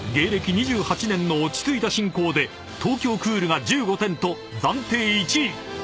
２８年の落ち着いた進行でＴＯＫＹＯＣＯＯＬが１５点と暫定１位］